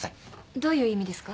どういう意味ですか？